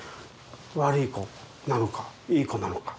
悪い子なのかいい子なのか。